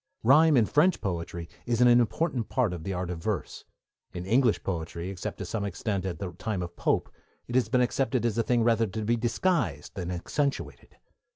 Rhyme in French poetry is an important part of the art of verse; in English poetry, except to some extent at the time of Pope, it has been accepted as a thing rather to be disguised than accentuated.